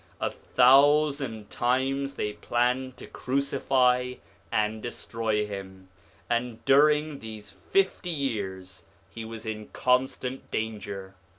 A thousand times they planned to crucify and destroy him, and during these fifty years he was in constant danger.